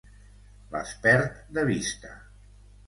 Les perd de vista.